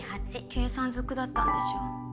計算ずくだったんでしょ。